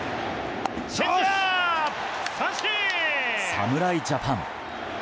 侍ジャパン。